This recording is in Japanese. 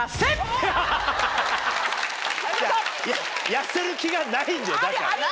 痩せる気がないんだよだから。